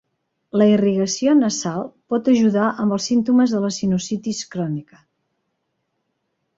La irrigació nasal pot ajudar amb els símptomes de la sinusitis crònica.